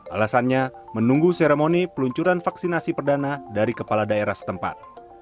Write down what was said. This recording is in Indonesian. alasannya menunggu seremoni peluncuran vaksinasi perdana dari kepala daerah setempat